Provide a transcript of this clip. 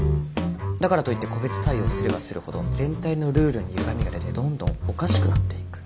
だからといって個別対応すればするほど全体のルールにゆがみが出てどんどんおかしくなっていく。